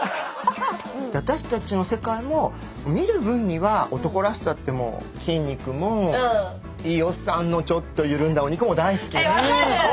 私たちの世界も見る分には男らしさって筋肉もいいおっさんのちょっと緩んだお肉も大好きなんだけど。